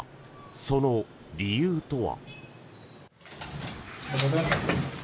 その理由とは。